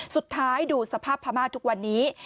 สุดท้ายดูสภาพพม่าทุกวันนี้